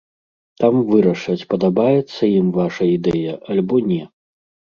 Там вырашаць, падабаецца ім ваша ідэя, альбо не.